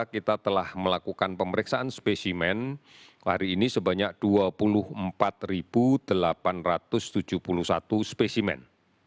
kita telah melakukan pemeriksaan spesimen hari ini sebanyak dua puluh empat delapan ratus tujuh puluh satu spesimen